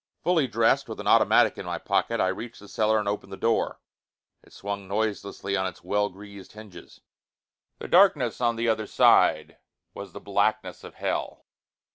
Fully dressed, with an automatic in my pocket, I reached the cellar and opened the door. It swung noiselessly on its well greased hinges. The darkness on the other side was the blackness of hell.